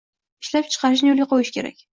Ishlab chiqarishni yo‘lga qo‘yish kerak.